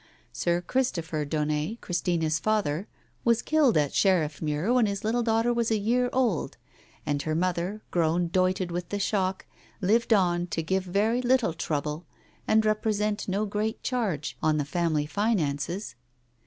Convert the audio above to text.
Sir Christopher Daunet, Christina's father, was killed at Sheriffmuir when his little daughter was a year old, and her mother, grown doited with the shock, lived on to give very little trouble, and represent no great charge on the family finances.